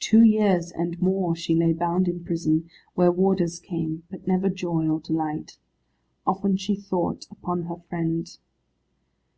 Two years and more she lay bound in prison, where warders came, but never joy or delight. Often she thought upon her friend.